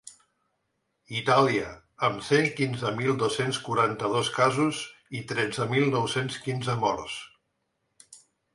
Itàlia, amb cent quinze mil dos-cents quaranta-dos casos i tretze mil nou-cents quinze morts.